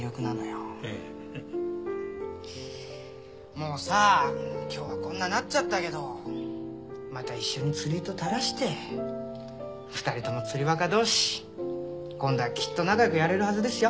もうさ今日はこんなんなっちゃったけどまた一緒に釣り糸垂らして２人とも釣りバカどうし今度はきっと仲よくやれるはずですよ。